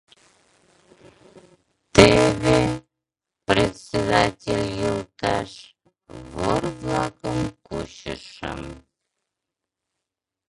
— Теве, председатель йолташ, вор-влакым кучышым.